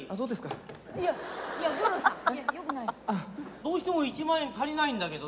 どうしても１万円足りないんだけどね。